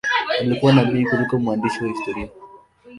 Alikuwa nabii kuliko mwandishi wa historia.